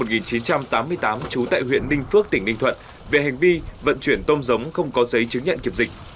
trú tại huyện ninh phước tỉnh ninh thuận về hành vi vận chuyển tôm giống không có giấy chứng nhận kiểm dịch